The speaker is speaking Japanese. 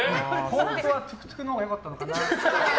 本当はトゥクトゥクのほうが良かったのかな。